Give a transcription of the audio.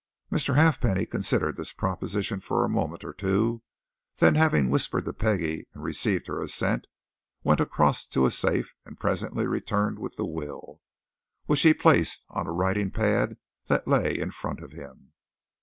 Mr. Halfpenny considered this proposition for a moment or two; then having whispered to Peggie and received her assent, he went across to a safe and presently returned with the will, which he placed on a writing pad that lay in front of him.